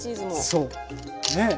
そうねえ。